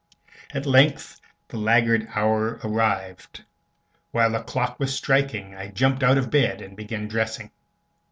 At length the laggard hour arrived. While the clock was striking I jumped out of bed and began dressing.